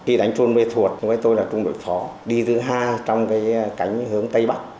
khi đánh bôn mê thuột tôi là trung đội phó đi thứ hai trong cánh hướng tây bắc